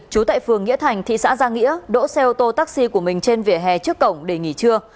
trú tại phường nghĩa thành thị xã giang hĩa đỗ xe ô tô taxi của mình trên vỉa hè trước cổng để nghỉ trưa